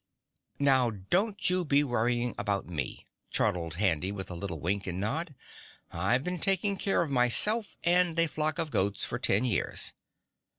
"Now don't you be worrying about me," chortled Handy with a little wink and nod. "I've been taking care of myself and a flock of goats for ten years!